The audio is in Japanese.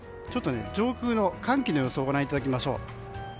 上空の寒気の様子をご覧いただきましょう。